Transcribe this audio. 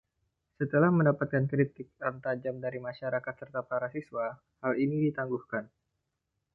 Setelah mendapat kritikan tajam dari masyarakat serta para siswa, hal ini ditangguhkan.